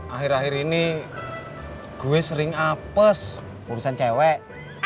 akhir akhir ini gue sering apes urusan cewek